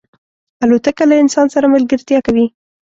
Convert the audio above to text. الوتکه له انسان سره ملګرتیا کوي.